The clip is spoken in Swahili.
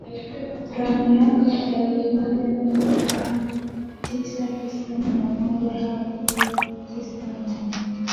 ka miaka ya elfu moja mia tisa tisini na moja hadi elfu tisa mia